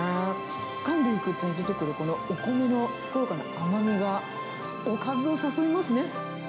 かんでいくうちに出てくる、このお米のふくよかな甘みが、おかずを誘いますね。